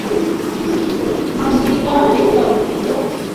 ভাংতিটা রেখে দাও, জো।